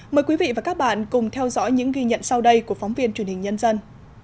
mời quý vị và các bạn cùng theo dõi những ghi nhận sau đây của phóng viên truyền hình nhân dân